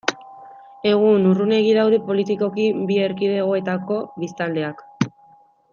Egun, urrunegi daude politikoki bi erkidegoetako biztanleak.